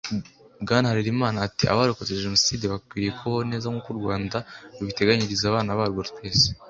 Bwana Harerimana ati “Abarokotse Jenoside bakwiye kubaho neza nk’uko u Rwanda rubiteganyiriza abana barwo twese